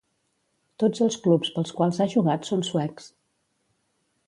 Tots els clubs pels quals ha jugat són suecs.